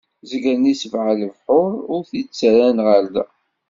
Zegren i sebɛa lebḥur, ur t-id-ttarran ɣer da.